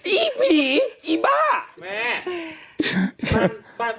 อี้ผิง